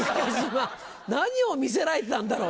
何を見せられてたんだろう今。